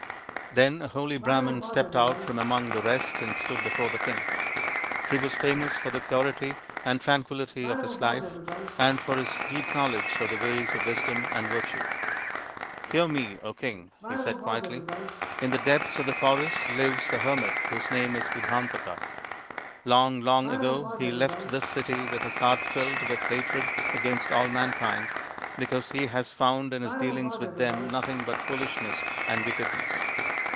Then a holy Brahman stepped out from among the rest and stood before the king. He was famous for the purity and tranquillity of his life, and for his deep knowledge of the ways of Wisdom and Virtue. " Hear me, King," he said quietly. " In the depths of the forest lives a hermit whose name is Vibhandaka. Long, long ago he left this city with his heart filled with hatred against all mankind, because he had found in his dealings with them nothing but foolishness and wickedness.